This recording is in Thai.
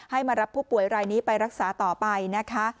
มารับผู้ป่วยรายนี้ไปรักษาต่อไปนะคะ